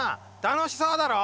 楽しそうだろ？